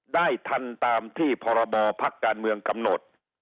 ได้ทันตามที่พรบพักการเมืองกำหนด